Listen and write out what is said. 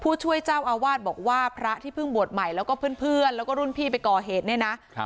ผู้ช่วยเจ้าอาวาสบอกว่าพระที่เพิ่งบวชใหม่แล้วก็เพื่อนแล้วก็รุ่นพี่ไปก่อเหตุเนี่ยนะครับ